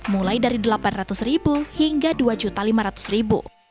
mulai dari rp delapan ratus hingga rp dua lima ratus